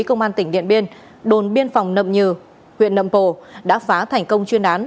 công an tỉnh điện biên đồn biên phòng nầm nhừ huyện nầm pồ đã phá thành công chuyên án